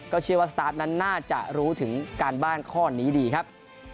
เชื่อว่าสตาร์ทนั้นน่าจะรู้ถึงการบ้านข้อนี้ดีครับ